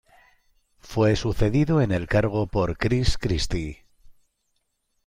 Fue sucedido en el cargo por Chris Christie.